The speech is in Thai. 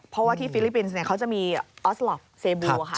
เพราะว่าที่ฟิลิปปินส์เขาจะมีออสล็อปเซบูค่ะ